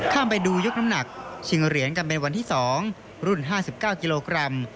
ไปดูยกน้ำหนักชิงเหรียญกันเป็นวันที่๒รุ่น๕๙กิโลกรัม